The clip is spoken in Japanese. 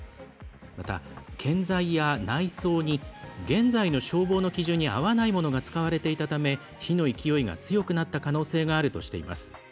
また、建材や内装に現在の消防の基準に合わないものが使われていたため火の勢いが強くなった可能性があるとしています。